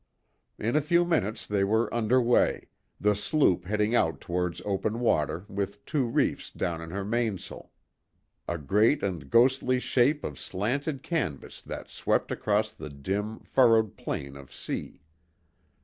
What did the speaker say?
In a few minutes they were under way, the sloop heading out towards open water with two reefs down in her mainsail; a great and ghostly shape of slanted canvas that swept across the dim, furrowed plain of sea.